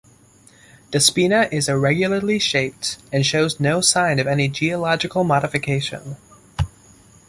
Despina is irregularly shaped and shows no sign of any geological modification.